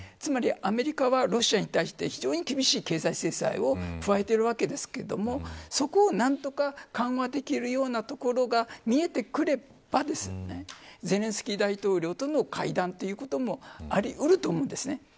つまりアメリカはロシアに対して非常に厳しい経済制裁を加えているわけですけれどもそこを何とか緩和できるようなところが見えてくればゼレンスキー大統領との会談ということもあり得ると思うんです。